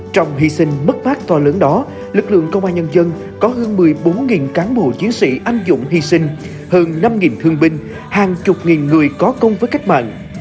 trong hy sinh mất mát to lớn đó lực lượng công an nhân dân có hơn một mươi bốn cán bộ chiến sĩ anh dũng hy sinh hơn năm thương binh hàng chục nghìn người có công với cách mạng